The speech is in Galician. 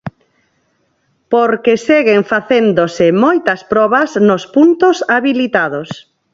Porque seguen facéndose moitas probas nos puntos habilitados.